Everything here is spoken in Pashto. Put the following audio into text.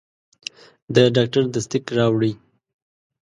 د ډاکټر تصدیق راوړئ.